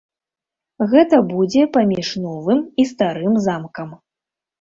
Гэта будзе паміж новым і старым замкам.